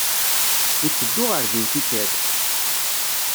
Itteddu ɣer din tikkal.